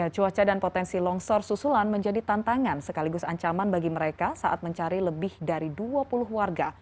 cuaca dan potensi longsor susulan menjadi tantangan sekaligus ancaman bagi mereka saat mencari lebih dari dua puluh warga